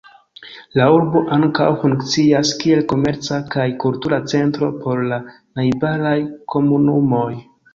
La urbo ankaŭ funkcias kiel komerca kaj kultura centro por la najbaraj komunumoj.